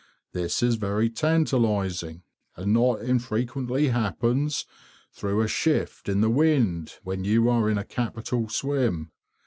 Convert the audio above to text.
This is very tantalising, and not infrequently happens through a shift in the wind when you are in a capital "swim."